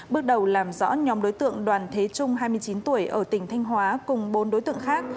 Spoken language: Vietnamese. bước đầu làm rõ nhóm đối tượng đoàn thế trung hai mươi chín tuổi ở tỉnh thanh hóa cùng bốn đối tượng khác